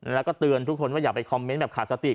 แล้วก็เตือนทุกคนว่าอย่าไปคอมเมนต์แบบขาดสติ